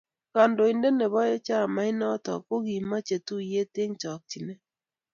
kandointet ne bo chamait noto ko kimiche tuye eng chokchinee